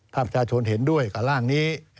ถ้าประชาชนเห็นด้วยกับร่างนี้